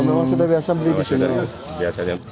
memang sudah biasa beli di sini